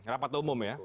rapat umum ya